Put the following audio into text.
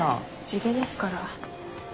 地毛ですから。